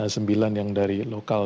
sembilan yang dari lokal